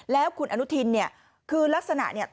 แล้วคุณอนุทินเนี่ยคือลักษณะเนี่ย